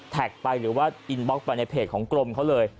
ไปหรือว่าอินบล็อกไปในเพจของกรมเขาเลย